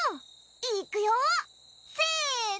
いくよせの！